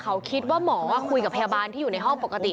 เขาคิดว่าหมอคุยกับพยาบาลที่อยู่ในห้องปกติ